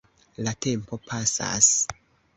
La tempo pasas.